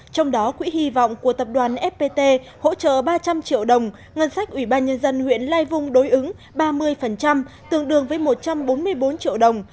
trong đó quỹ hy vọng của tập đoàn fpt hỗ trợ ba trăm linh triệu đồng ngân sách ủy ban nhân dân huyện lai vung đối ứng ba mươi tương đương với một trăm bốn mươi bốn triệu đồng